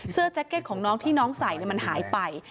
แจ็คเก็ตของน้องที่น้องใส่มันหายไป